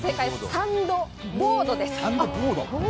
サンドボードです。